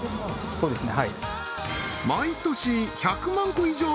そうですね